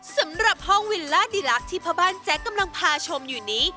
สำหรับห้องวิลล่าดีลักษณ์ที่พ่อบ้านแจ๊กกำลังพาชมอยู่นี้